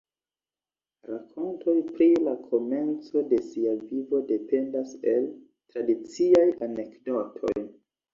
Rakontoj pri la komenco de sia vivo dependas el tradiciaj anekdotoj.